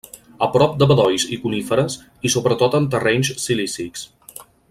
A prop de bedolls i coníferes, i sobretot en terrenys silícics.